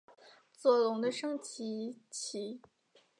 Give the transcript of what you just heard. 左龙的升级棋。